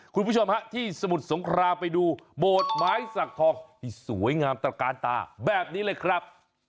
คุณผู้ชมฮะที่สมุทรสงครามไปดูโบสถ์ไม้สักทองที่สวยงามตระกาลตาแบบนี้เลยครับ